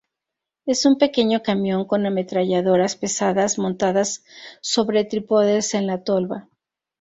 Es un pequeño camión con ametralladoras pesadas montadas sobre trípodes en la tolva.